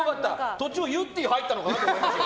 途中もゆってぃ入ったのかなと思いました。